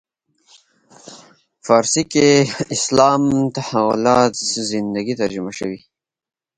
فارسي کې اسلام تحولات زندگی ترجمه شوی.